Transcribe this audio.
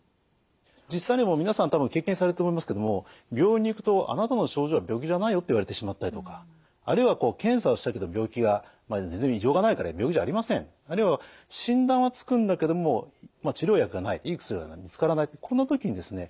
実際にもう皆さん多分経験されてると思いますけれども病院に行くと「あなたの症状は病気じゃないよ」って言われてしまったりとかあるいはこう検査をしたけど病気が異常がないから病気じゃありませんあるいは診断はつくんだけども治療薬がないいい薬が見つからないこんな時にですね